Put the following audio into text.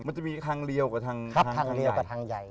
มันจะมีทางเรียวกับทางใหญ่